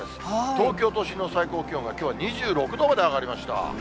東京都心の最高気温は、きょうは２６度まで上がりました。